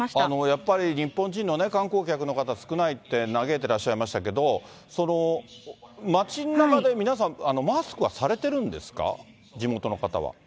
やっぱり日本人の観光客の方、少ないって嘆いてらっしゃいましたけど、その街の中でマスクはされてるんですか？